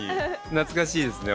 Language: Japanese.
懐かしいですね